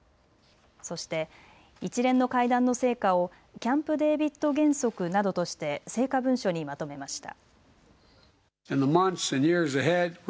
そして一連の会談の成果をキャンプ・デービッド原則などとして成果文書にまとめました。